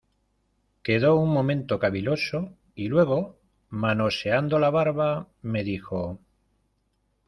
quedó un momento caviloso, y luego , manoseando la barba , me dijo: